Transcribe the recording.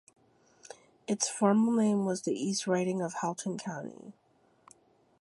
Its formal name was the East Riding of Halton County.